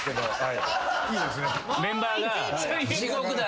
メンバーが。